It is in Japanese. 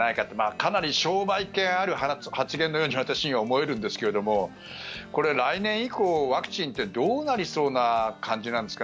かなり商売っ気がある発言のように私には思えるんですけどもこれ、来年以降ワクチンってどうなりそうな感じなんですか。